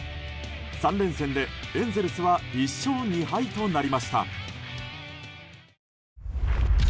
３連戦でエンゼルスは１勝２敗となりました。